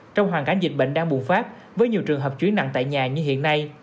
trong hoàn cảnh dịch bệnh đang bùng phát với nhiều trường hợp chuyển nặng tại nhà như hiện nay